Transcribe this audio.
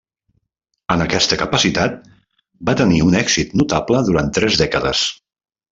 En aquesta capacitat, va tenir un èxit notable durant tres dècades.